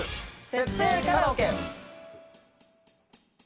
設定カラオケ。